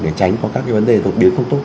để tránh có các vấn đề đột biến không tốt